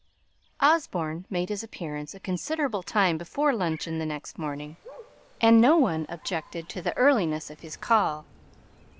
Osborne made his appearance a considerable time before luncheon the next morning; and no one objected to the earliness of his call.